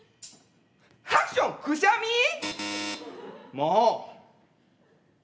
もう！